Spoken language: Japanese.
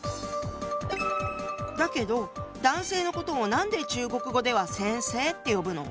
だけど男性のことをなんで中国語では「先生」って呼ぶの？